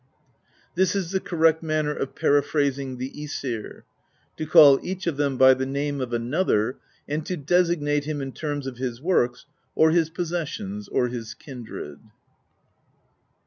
] "This is the correct manner of periphrasing the iEsir: To call each of them by the name of another, and to des ignate him in terms of his works or his possessions or his kindred.